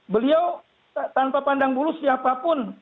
beliau tanpa pandang bulu siapapun